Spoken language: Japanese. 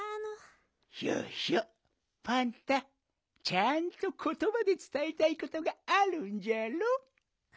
ちゃんとことばでつたえたいことがあるんじゃろ？